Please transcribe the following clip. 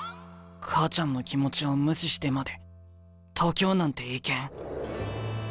母ちゃんの気持ちを無視してまで東京なんて行けん。